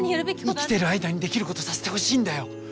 生きてる間にできることさせてほしいんだよ。